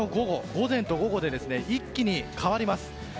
午前と午後で一気に変わります。